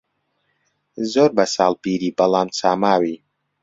زۆر بە ساڵ پیری بەڵام چا ماوی